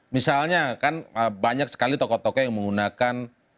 misalnya kan banyak sekali tokoh tokoh yang menggunakan